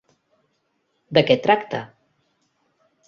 De què tracta?